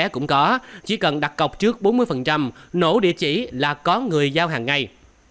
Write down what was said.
chỉ cần đặt cọc trước bốn mươi nổ địa chỉ là có người giao hàng ngay